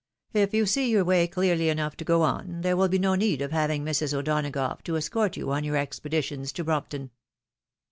If you see your way clearly enough to go on, there will be no need of having Mrs. O'Donagough to escort you on your expeditions to Brompton."